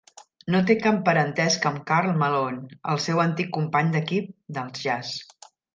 No té cap parentesc amb Karl Malone, el seu antic company d'equip als Jazz.